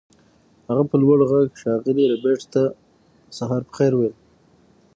هغه په لوړ غږ ښاغلي ربیټ ته سهار په خیر وویل